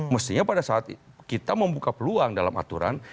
mestinya pada saat kita membuka peluang dalam aturan